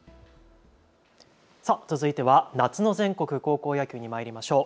さあ続いては夏の全国高校野球にまいりましょう。